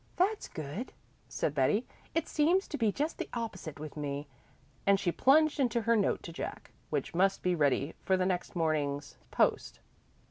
"That's good," said Betty. "It seems to be just the opposite with me," and she plunged into her note to Jack, which must be ready for the next morning's post.